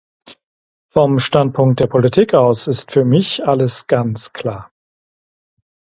Vom Standpunkt der Politik aus ist für mich alles ganz klar.